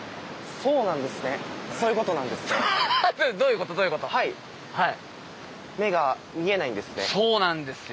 そうなんですよ。